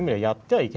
はい。